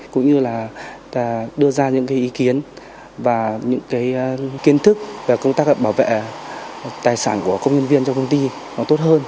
cũng như là đưa ra những cái ý kiến và những cái kiến thức về công tác bảo vệ tài sản của công nhân viên trong công ty nó tốt hơn